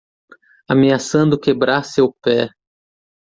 Ameaçando quebrar seu pé